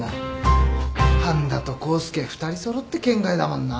半田と康介２人揃って圏外だもんな。